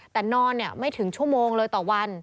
แต่นอนไม่ถึงชั่วโมงเลยต่อวัน